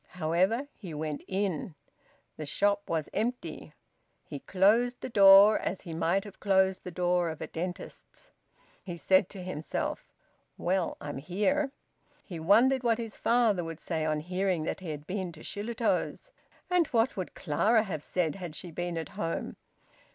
However, he went in. The shop was empty. He closed the door, as he might have closed the door of a dentist's. He said to himself; "Well, I'm here!" He wondered what his father would say on hearing that he had been to Shillitoe's. And what would Clara have said, had she been at home?